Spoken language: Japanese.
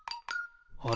あれ？